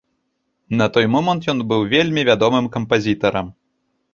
На той момант ён быў вельмі вядомым кампазітарам.